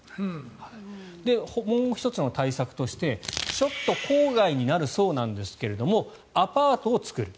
もう１つの対策としてちょっと郊外になるそうなんですがアパートを作る。